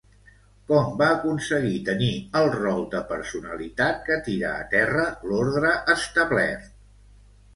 Com va aconseguir tenir el rol de personalitat que tira a terra l'ordre establert?